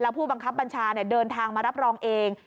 ผู้บังคับบัญชาเดินทางมารับรองเอง